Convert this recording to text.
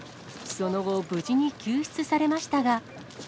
その後、無事に救出されましたが。